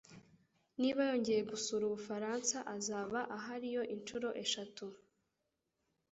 Niba yongeye gusura Ubufaransa azaba ahariyo inshuro eshatu